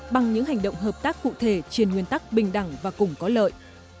bằng những hành động hợp tác cụ thể trên nguyên tắc bình đẳng và cùng có lợi